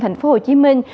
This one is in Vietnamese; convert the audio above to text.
thành phố hồ chí minh